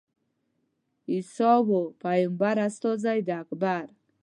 عیسی وو پېغمبر استازی د اکبر.